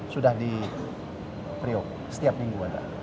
sudah di triup setiap minggu